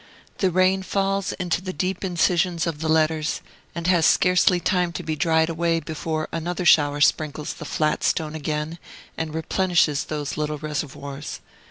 The rain falls into the deep incisions of the letters, and has scarcely time to be dried away before another shower sprinkles the flat stone again, and replenishes those little reservoirs.